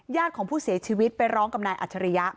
ของผู้เสียชีวิตไปร้องกับนายอัจฉริยะ